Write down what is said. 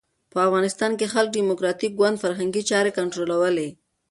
په افغانستان کې خلق ډیموکراټیک ګوند فرهنګي چارې کنټرولولې.